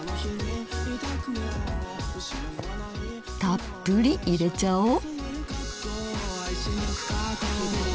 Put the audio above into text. たっぷり入れちゃおう。